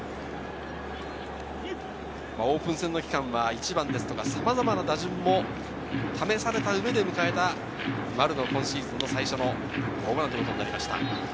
オープン戦の期間は１番ですとか、さまざまな打順も試された上で迎えた丸の今シーズンの最初のホームランということになりました。